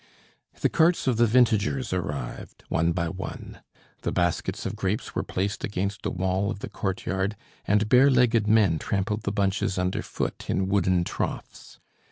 The carts of the vintagers arrived one by one. The baskets of grapes were placed against a wall of the courtyard, and bare legged men trampled the bunches under foot in wooden troughs.